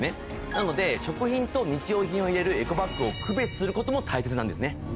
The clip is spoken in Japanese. なので食品と日用品を入れるエコバッグを区別することも大切なんですね。